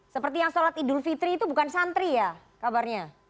seperti yang sholat idul fitri itu bukan santri ya kabarnya